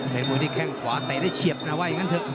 เป็นมวยที่แข้งขวาเตะได้เฉียบนะว่าอย่างนั้นเถอะ